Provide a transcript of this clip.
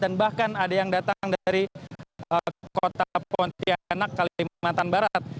dan bahkan ada yang datang dari kota pontianak kalimantan barat